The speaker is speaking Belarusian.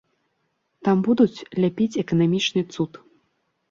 Там будуць ляпіць эканамічны цуд.